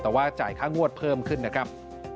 แต่ว่าจ่ายค่างวดเพิ่มขึ้นนะครับ